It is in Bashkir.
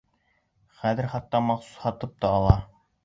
Хәҙер хатта махсус һатып та ала.